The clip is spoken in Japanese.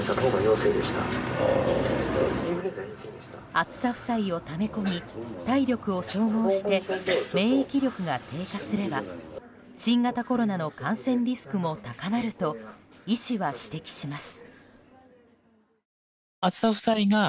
暑さ負債をため込み体力を消耗して免疫力が低下すれば新型コロナの感染リスクも高まると医師は指摘します。